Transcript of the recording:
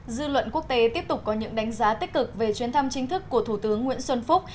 dư luận quốc tế tiếp tục có những đánh giá tích cực về chuyến thăm chính thức của thủ tướng nguyễn xuân phúc